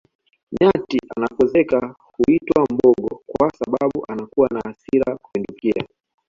nyati anapozeeka huitwa mbogo kwa sababu anakuwa na hasira kupindukia